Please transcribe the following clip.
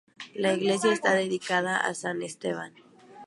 La iglesia está dedicada a san Esteban.